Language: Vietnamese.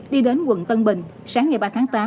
đi đến quận tân bình sáng ngày ba tháng tám